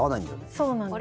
そうなんです。